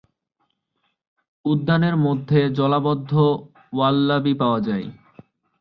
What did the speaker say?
উদ্যানের মধ্যে জলাবদ্ধ ওয়াল্লাবি পাওয়া যায়।